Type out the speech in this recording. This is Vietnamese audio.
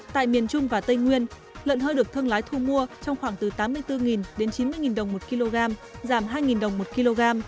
tại miền trung và tây nguyên lợn hơi được thương lái thu mua trong khoảng từ tám mươi bốn đến chín mươi đồng một kg giảm hai đồng một kg